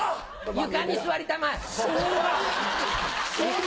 床に座りたまえ。